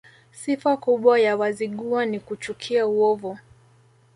Sifa kubwa ya Wazigua ni kuchukia uovu